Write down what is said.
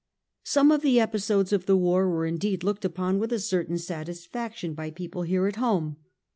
Some of the episodes of the war were indeed looked upon with a certain satisfaction by people here at home.